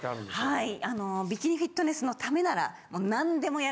はい。